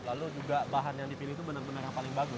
lalu juga bahan yang dipilih itu benar benar yang paling bagus